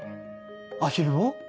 アヒルを？